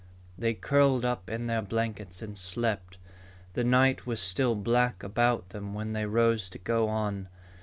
They curled up in their blankets and slept. The night was still black about them when they rose to go on.